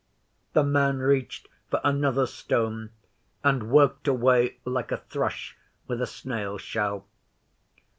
The man reached for another stone, and worked away like a thrush with a snail shell.